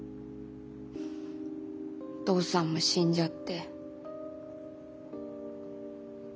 お父さんも死んじゃって。